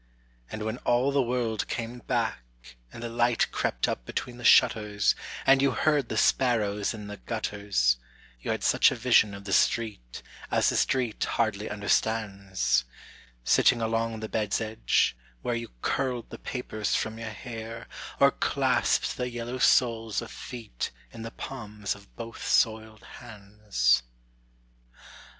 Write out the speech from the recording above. And when all the world came back And the light crept up between the shutters, And you heard the sparrows in the gutters, You had such a vision of the street As the street hardly understands; Sitting along the bedâs edge, where You curled the papers from your hair, Or clasped the yellow soles of feet In the palms of both soiled hands.